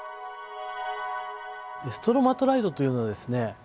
ストロマトライトというのはですね